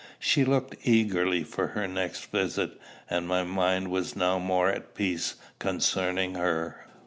She looked eagerly for her next visit, and my mind was now more at peace concerning her.